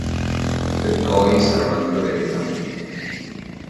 Per Coy sarà una dura verità.